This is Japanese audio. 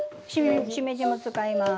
しめじも使います。